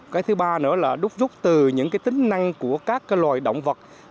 cái thứ ba nữa là đúc rút từ những cái tính năng của các loài động vật